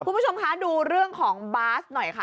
คุณผู้ชมคะดูเรื่องของบาสหน่อยค่ะ